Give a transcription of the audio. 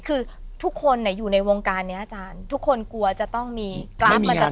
คือทุกคนอยู่ในวงการนี้อาจารย์ทุกคนกลัวจะต้องมีกราฟมาจาก